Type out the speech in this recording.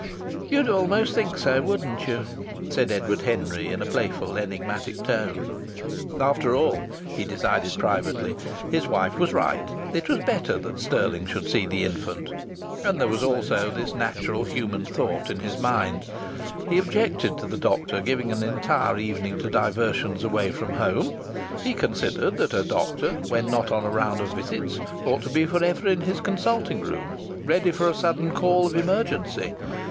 "You'd almost think so, wouldn't you?" said Edward Henry in a playful, enigmatic tone. After all, he decided privately, his wife was right; it was better that Stirling should see the infant. And there was also this natural human thought in his mind; he objected to the doctor giving an entire evening to diversions away from home he considered that a doctor, when not on a round of visits, ought to be for ever in his consulting room, ready for a sudden call of emergency.